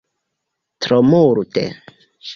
Tro multe!